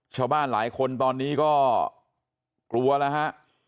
ชาวบ้านหลายคนตอนนี้ก็กลัวแล้วฮะ